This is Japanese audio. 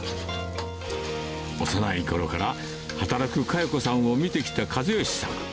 幼いころから働く香代子さんを見てきた一良さん。